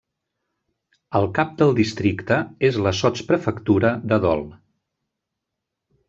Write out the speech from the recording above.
El cap del districte és la sotsprefectura de Dole.